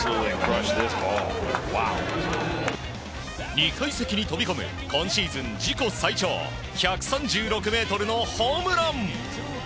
２階席に飛び込む今シーズン自己最長１３６ｍのホームラン！